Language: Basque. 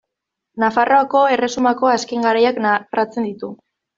Nafarroako erresumako azken garaiak narratzen ditu.